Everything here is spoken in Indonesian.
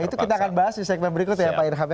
itu kita akan bahas di segmen berikut ya pak irham